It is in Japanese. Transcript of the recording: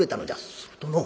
するとのう